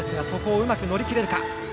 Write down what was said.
うまく乗り切れるか。